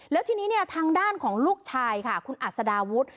แล้วทีนี้เนี่ยทางด้านของลูกชายค่ะคุณอัศดาวุฒิ